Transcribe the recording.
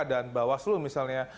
dan bawaslu misalnya